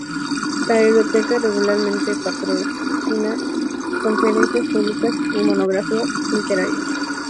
La biblioteca regularmente patrocina conferencias públicas y monografías literarias.